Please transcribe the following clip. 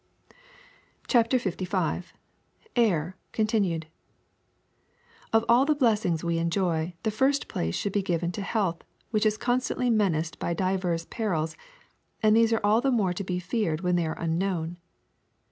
CHAPTER LV AIR (continued) OF all the blessings we enjoy, the first place should be given to health, which is constantly menaced by divers perils, and these are all the more to be feared when they are unknown.